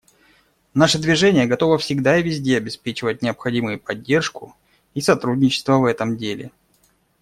Наше Движение готово всегда и везде обеспечивать необходимые поддержку и сотрудничество в этом деле.